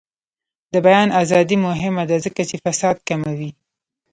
د بیان ازادي مهمه ده ځکه چې فساد کموي.